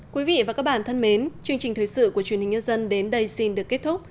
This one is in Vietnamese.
quý vị và các bạn thân mến chương trình thời sự của truyền hình nhân dân đến đây xin được kết thúc